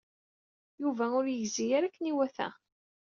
Yuba ur yegzi ara akken iwata.